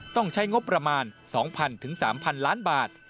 ต้องใช้งบประมาณ๒๐๐๐๓๐๐ล้านบาท